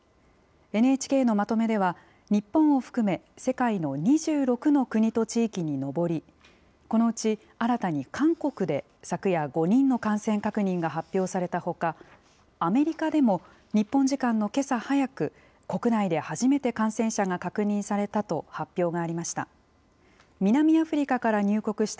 ＮＨＫのまとめでは、日本を含め、世界の２６の国と地域に上り、このうち新たに韓国で昨夜、５人の感染確認が発表されたほか、アメリカでも日本時間のけさ早く、国内で初めて感染者が確認されたと発表がありました。